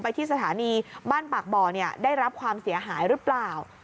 ไปที่สถานีบ้านปากบ่อเนี่ยได้รับความเสียหายรึเปล่า